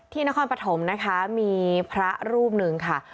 นครปฐมนะคะมีพระรูปหนึ่งค่ะ